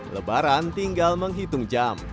lebaran tinggal menghitung jam